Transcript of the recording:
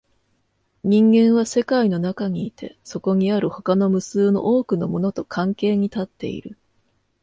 人間は世界の中にいて、そこにある他の無数の多くのものと関係に立っている。